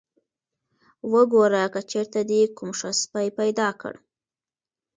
وګوره که چېرته دې کوم ښه سپی پیدا کړ.